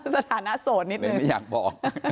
สถานะโสดนิดนึงไม่อยากบอก